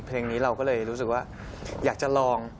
เพลงนี้เราก็เลยรู้สึกว่าอยากจะลอง